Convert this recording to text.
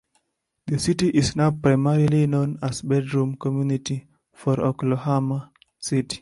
The city is now primarily known as a bedroom community for Oklahoma City.